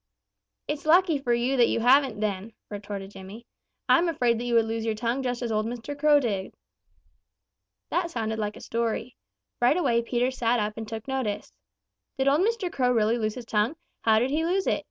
"It's lucky for you that you haven't then," retorted Jimmy. "I'm afraid that you would lose your tongue just as old Mr. Crow did." That sounded like a story. Right away Peter sat up and took notice. "Did old Mr. Crow really lose his tongue? How did he lose it?